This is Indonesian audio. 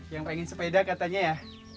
yang pengen sepeda katanya ya